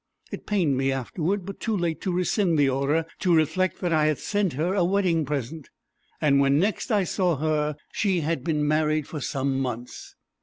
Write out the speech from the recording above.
It pained me afterward, but too late to rescind the order, to reflect that I had sent her a wedding present; and when next I saw her she had been married for some months.